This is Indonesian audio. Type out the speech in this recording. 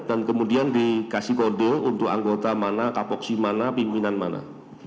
kemudian dikasih kode untuk anggota mana kapoksi mana pimpinan mana